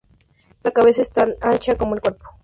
La cabeza es tan ancha como el cuerpo.